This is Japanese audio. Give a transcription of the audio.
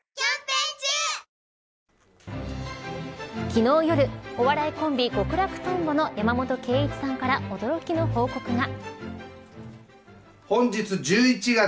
昨日夜、お笑いコンビ極楽とんぼの山本圭壱さんから驚きの報告が。